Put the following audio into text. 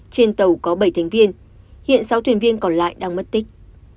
trên tàu có bảy thành viên hiện sáu thuyền viên còn lại đang mất tích